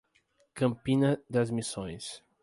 Campina das Missões